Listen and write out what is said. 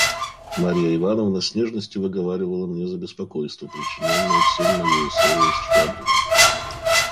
Марья Ивановна с нежностию выговаривала мне за беспокойство, причиненное всем моею ссорою с Швабриным.